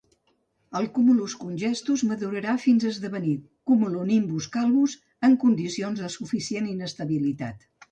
El Cumulus Congestus madurarà fins a esdevenir Cumulonimbus Calvus en condicions de suficient inestabilitat.